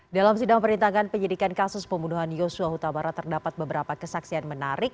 dalam sidang perintahkan penyidikan kasus pembunuhan yosua hutabara terdapat beberapa kesaksian menarik